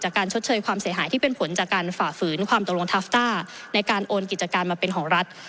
การชดเชยความเสียหายที่เป็นผลจากการฝ่าฝืนความตกลงทาฟต้าในการโอนกิจการมาเป็นของรัฐ